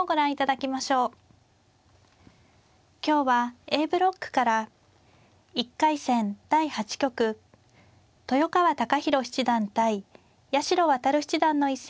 今日はＡブロックから１回戦第８局豊川孝弘七段対八代弥七段の一戦をお送りします。